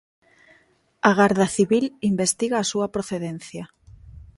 A Garda Civil investiga a súa procedencia.